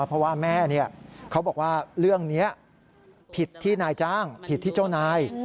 เพราะว่าแม่เขาบอกว่าเรื่องนี้ผิดที่นายจ้างผิดที่เจ้านาย